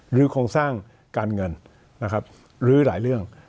โครงสร้างการเงินนะครับหรือหลายเรื่อง